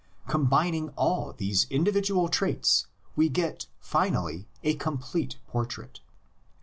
Combining all these indi vidual traits we get finally a complete portrait.